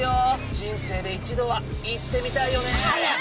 人生で一度は言ってみたいよね。早く！